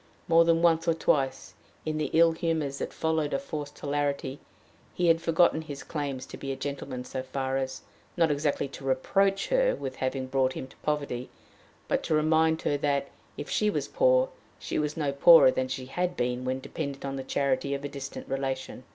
More than once or twice, in the ill humors that followed a forced hilarity, he had forgotten his claims to being a gentleman so far as not exactly to reproach her with having brought him to poverty but to remind her that, if she was poor, she was no poorer than she had been when dependent on the charity of a distant relation!